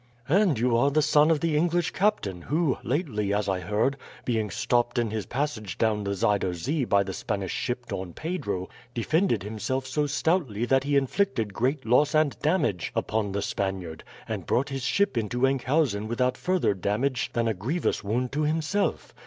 "And you are the son of the English captain who, lately, as I heard, being stopped in his passage down the Zuider Zee by the Spanish ship Don Pedro, defended himself so stoutly that he inflicted great loss and damage upon the Spaniard, and brought his ship into Enkhuizen without further damage than a grievous wound to himself.